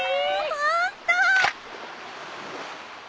ホント。